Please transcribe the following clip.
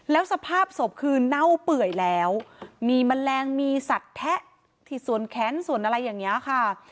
แล้วสภาพศพคือเน่าเปื่อยแล้วมีแมลงมีสัตว์แทะที่ส่วนแค้นส่วนอะไรอย่างนี้ค่ะ